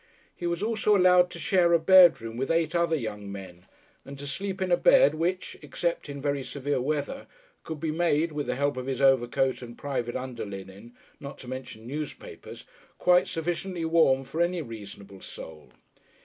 He was also allowed to share a bedroom with eight other young Englishmen, and to sleep in a bed which, except in very severe weather, could be made with the help of his overcoat and private underlinen, not to mention newspapers, quite sufficiently warm for any reasonable soul.